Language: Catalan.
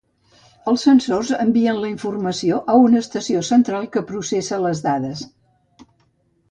Els sensors envien la informació a una estació central que processa les dades.